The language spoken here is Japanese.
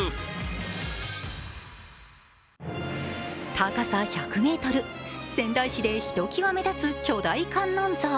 高さ１００ｍ、仙台市でひときわ目立つ巨大観音像。